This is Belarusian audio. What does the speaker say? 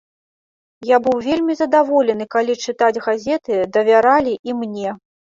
Я быў вельмі задаволены, калі чытаць газеты давяралі і мне.